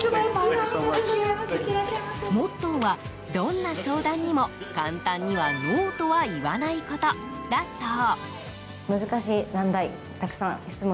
モットーはどんな相談にも、簡単にはノーとは言わないことだそう。